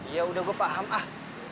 ya udah gue paham ah